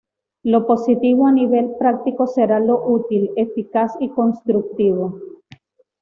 Lo positivo a nivel práctico será lo útil, eficaz y constructivo.